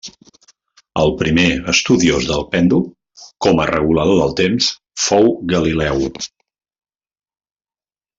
El primer estudiós del pèndol com a regulador del temps fou Galileu.